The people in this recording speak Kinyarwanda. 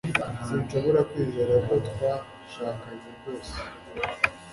Sinshobora kwizera ko twashakanye rwose